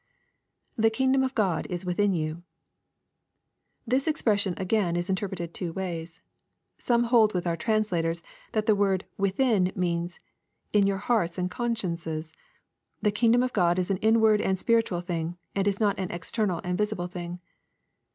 [ITie kingdom of God is within you."] This expression again is interpreted two ways. Some hold with our translators, that the word "within" means, "in your hearts and consciences. The kingdom of God is an inward and spiritual thing, and not an ex ternal and visible thing."